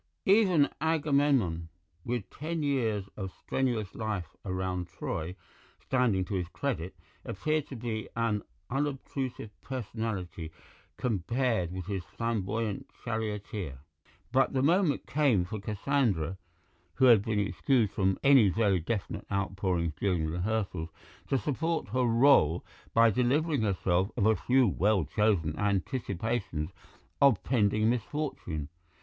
Even Agamemnon, with ten years of strenuous life around Troy standing to his credit, appeared to be an unobtrusive personality compared with his flamboyant charioteer. But the moment came for Cassandra (who had been excused from any very definite outpourings during rehearsals) to support her rÙle by delivering herself of a few well chosen anticipations of pending misfortune.